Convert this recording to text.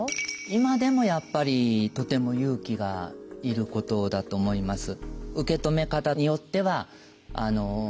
今でもやっぱりとても勇気がいることだと思います。